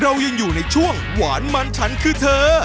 เรายังอยู่ในช่วงหวานมันฉันคือเธอ